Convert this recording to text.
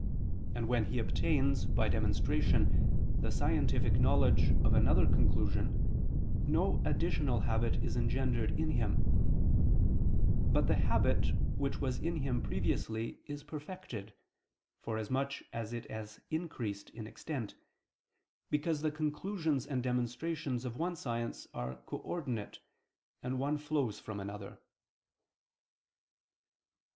And when he obtains, by demonstration, the scientific knowledge of another conclusion, no additional habit is engendered in him: but the habit which was in him previously is perfected, forasmuch as it has increased in extent; because the conclusions and demonstrations of one science are coordinate, and one flows from another.